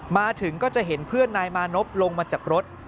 มาถึงก็จะเห็นเพื่อนนายมานพลงมาจากรถ